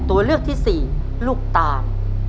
ตัวเลือกที่สี่ลูกตาน